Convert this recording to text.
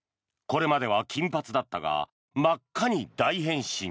これまでは金髪だったが真っ赤に大変身。